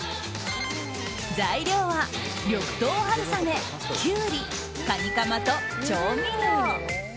材料は緑豆春雨、キュウリカニかまと調味料。